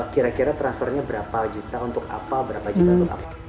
kira kira transfernya berapa juta untuk apa berapa juta untuk